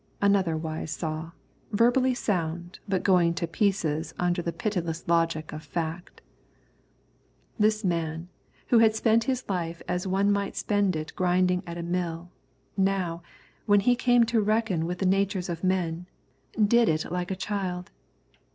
Another wise saw, verbally sound, but going to pieces under the pitiless logic of fact. This man, who had spent his life as one might spend it grinding at a mill, now, when he came to reckon with the natures of men, did it like a child.